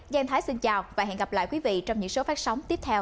giang thái xin chào và hẹn gặp lại quý vị trong những số phát sóng tiếp theo